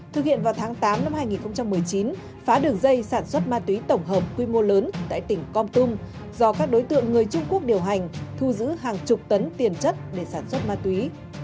thực hiện vào tháng tám năm hai nghìn một mươi chín phá đường dây sản xuất ma túy tổng hợp quy mô lớn tại tỉnh con tum do các đối tượng người trung quốc điều hành thu giữ hàng chục tấn tiền chất để sản xuất ma túy